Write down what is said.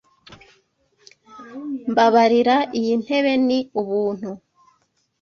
Mbabarira, iyi ntebe ni ubuntu?